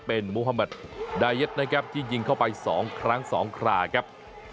เป็นมูฮะเมิตดายเอ็ดนะครับที่ยิงเข้าไป๒ครั้งสองกระครับ